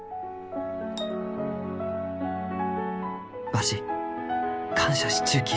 わし感謝しちゅうき。